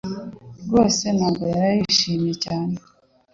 rwose ntabwo yaraye yishimye cyane